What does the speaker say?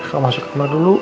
kita masuk kamar dulu